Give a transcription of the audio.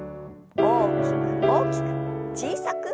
大きく大きく小さく。